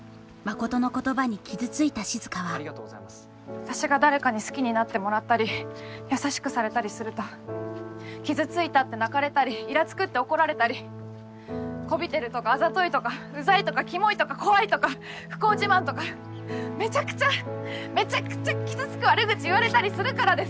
私が誰かに好きになってもらったり優しくされたりすると傷ついたって泣かれたりイラつくって怒られたりこびてるとかあざといとかうざいとかキモいとか怖いとか不幸自慢とかめちゃくちゃめちゃくちゃ傷つく悪口言われたりするからです！